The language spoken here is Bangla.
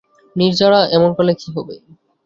নির্জারা, এমন করলে কি হবে?